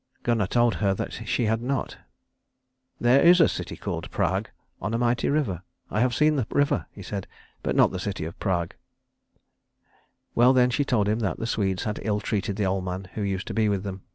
Gunnar told her that she had not. "There is a city called Prag, on a mighty river. I have seen the river," he said, "but not the city of Prag." Well then she told him that the Swedes had ill treated the old man who used to be with them.